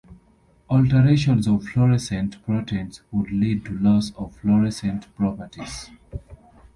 Alterations of fluorescent proteins would lead to loss of fluorescent properties.